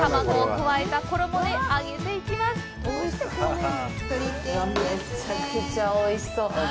めちゃくちゃおいしそう。